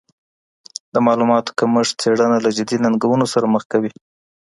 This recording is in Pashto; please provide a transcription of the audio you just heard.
د معلوماتو کمښت څېړنه له جدي ننګونو سره مخ کوي.